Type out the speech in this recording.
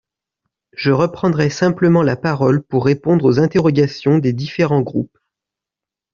Je reprendrai simplement la parole pour répondre aux interrogations des différents groupes.